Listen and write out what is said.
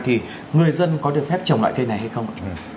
thì người dân có được phép trồng loại cây này hay không ạ